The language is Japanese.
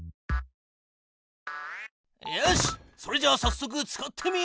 よしっそれじゃあさっそく使ってみよう。